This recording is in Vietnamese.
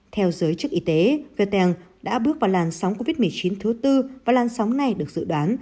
theo giới chức y tế geen đã bước vào làn sóng covid một mươi chín thứ tư và làn sóng này được dự đoán